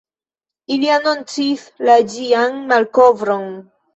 Ili anoncis la ĝian malkovron.